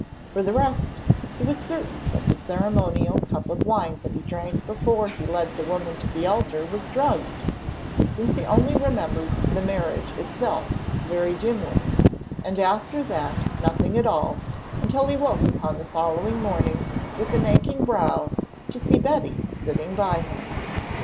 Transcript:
For the rest, he was certain that the ceremonial cup of wine that he drank before he led the woman to the altar was drugged, since he only remembered the marriage itself very dimly, and after that nothing at all until he woke upon the following morning with an aching brow to see Betty sitting by him.